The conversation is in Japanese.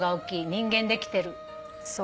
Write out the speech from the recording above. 人間できてる。